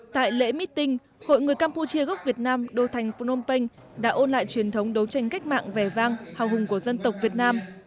tại lễ meeting hội người campuchia gốc việt nam đô thành phnom penh đã ôn lại truyền thống đấu tranh cách mạng vẻ vang hào hùng của dân tộc việt nam